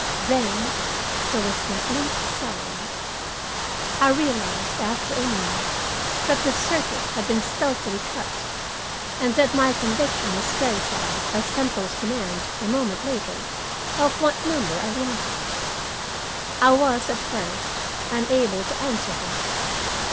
Then there was complete silence. I realized, after a moment, that the circuit had been stealthily cut, and that my conviction was verified by Central's demand, a moment later, of what number I wanted. I was, at first, unable to answer her.